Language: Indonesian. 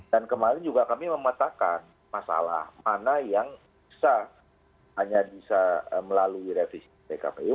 dan kemarin juga kami mematakan masalah mana yang bisa hanya bisa melalui revisi pkpu